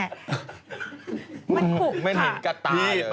มันคุกคังไม่เห็นกัดตาเลย